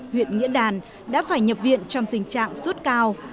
huyện nghĩa đàn đã phải nhập viện trong tình trạng suốt cao